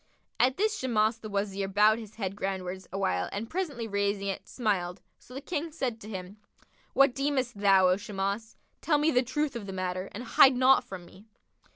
At this Shimas the Wazir bowed his head groundwards awhile and presently raising it, smiled; so the King said to him, "What deemest thou, O Shimas? Tell me the truth of the matter and hide naught from me."